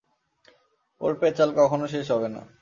ওর পেঁচাল কখনও শেষ হবে না।